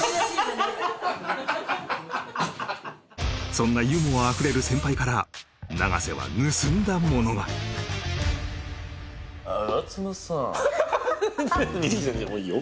そんなユーモアあふれる先輩から永瀬は盗んだものが似てるああいいよ